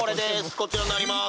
こちらになります。